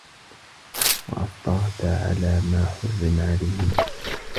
وَأَفْطَرَتَا عَلَى مَا حُرِّمَ عَلَيْهِمَا